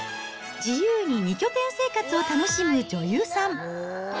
自由に２拠点生活を楽しむ女優さん。